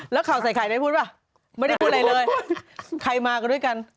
แล้วข่าวใส่ไข่ได้พูดป่ะไม่ได้พูดอะไรเลยใครมากันด้วยกัน